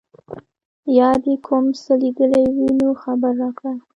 یا دي کوم څه لیدلي وي نو خبر راکړه.